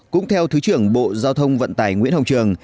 cũng theo thứ trưởng bộ giao thông vận tải nguyễn hồng trường